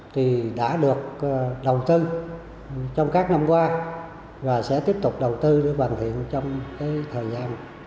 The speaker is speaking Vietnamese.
thì đã được đầu tư trong các năm qua và sẽ tiếp tục đầu tư để hoàn thiện trong thời gian